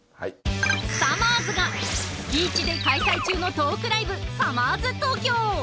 さまぁずが月１で開催中のトークライブ『さまぁず東京』。